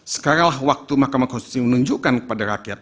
sekaranglah waktu mahkamah konstitusi menunjukkan kepada rakyat